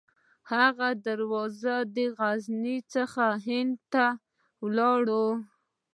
هغه دروازې دې له غزني څخه هند ته راوړل شي.